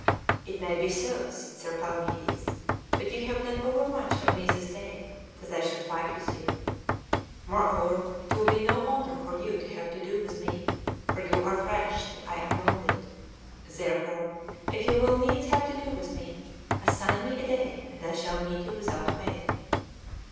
"It may be so," said Sir Palamedes; "but you have done overmuch for me this day, that I should fight with you. Moreover, it will be no honor for you to have to do with me, for you are fresh and I am wounded. Therefore, if you will needs have to do with me, assign me a day, and I shall meet you without fail."